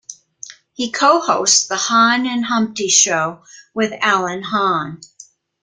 He co-hosts the "Hahn and Humpty show" with Alan Hahn.